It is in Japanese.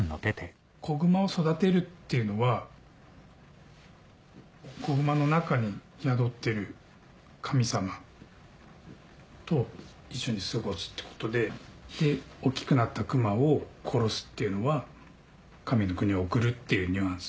子熊を育てるっていうのは子熊の中に宿ってる神様と一緒に過ごすってことでで大っきくなった熊を殺すっていうのは神の国に送るっていうニュアンス？